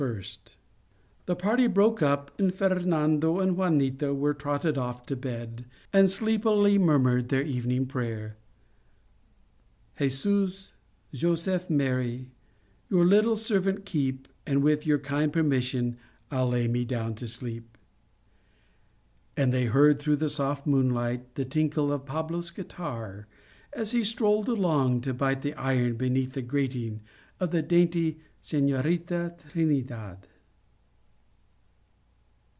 Then the party broke up, and Fernando and Juanita were trotted off to bed, and sleep ily murmured their evening prayer : "Jesus, Joseph, Mary, Your little servant keep, And with your kind permission, I'll lay me down to sleep !" and they heard through the soft moonlight the tinkle of Pablo's guitar, as he strolled along to bite the iron beneath the grating of the dainty Senorita Trinidad.